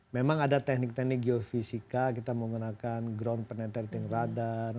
memang ada teknik teknik geofisika kita menggunakan ground penentarting radar